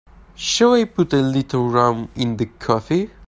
Shall I put a little rum in the coffee?